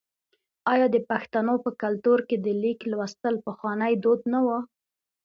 آیا د پښتنو په کلتور کې د لیک لوستل پخوانی دود نه و؟